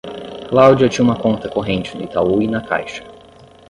Cláudia tinha uma conta corrente no Itaú e na Caixa.